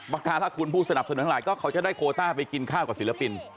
หรือคุณผู้สนับเสนอทั้งหลายเขาจะได้โควต้ากินข้าวกับศิลปิน